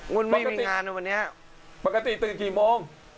ไม่มีงานนะวันนี้ปกติตื่นกี่โมง